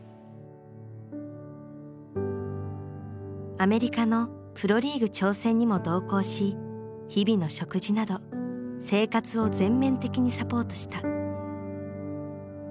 アメリカのプロリーグ挑戦にも同行し日々の食事など生活を全面的にサポートした。